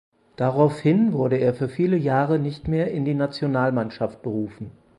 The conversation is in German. Daraufhin wurde er für viele Jahre nicht mehr in die Nationalmannschaft berufen.